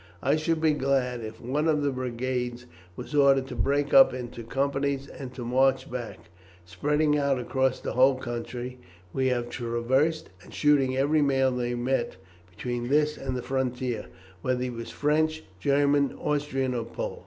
I should be glad if one of the brigades was ordered to break up into companies and to march back, spreading out across the whole country we have traversed, and shooting every man they met between this and the frontier, whether he was French, German, Austrian, or Pole."